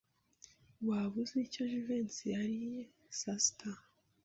Waba uzi icyo Jivency yariye saa sita?